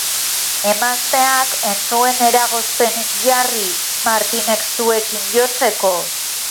Emazteak ez zuen eragozpenik jarri Martinek zuekin jotzeko?